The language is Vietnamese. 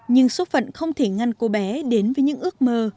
nhưng số phận không thể ngăn cô bé đến với những ước mơ